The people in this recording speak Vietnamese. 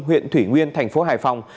huyện thủy nguyên tp hải phòng